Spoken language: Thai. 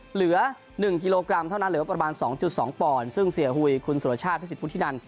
เหลือหนึ่งกิโลกรัมเท่านั้นเหลือประมาณสองจุดสองปอนซึ่งเสียหุ่ยคุณสุรชาติพระศิษย์พุทธินัน